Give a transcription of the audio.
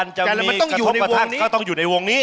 มันจะมีกระทกประทั่งเขาต้องอยู่ในวงนี้